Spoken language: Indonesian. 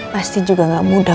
pasti juga gak mudah